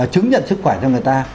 chứng nhận sức khỏe cho người ta